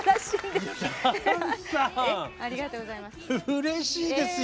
うれしいですよ。